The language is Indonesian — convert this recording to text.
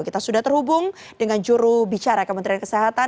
kita sudah terhubung dengan juru bicara kementerian kesehatan